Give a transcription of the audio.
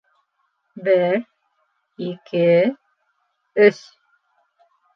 Бер... ике... өс...